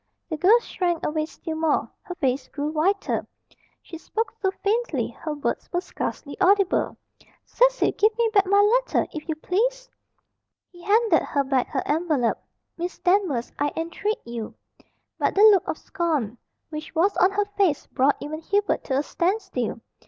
The girl shrank away still more. Her face grew whiter. She spoke so faintly her words were scarcely audible. "Cecil! Give me back my letter, if you please!" He handed her back her envelope. "Miss Danvers, I entreat you " But the look of scorn which was on her face brought even Hubert to a standstill.